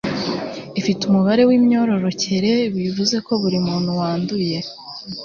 ifite umubare w'imyororokere bivuze ko buri muntu wanduye